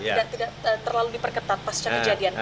tidak terlalu diperketat pasca kejadian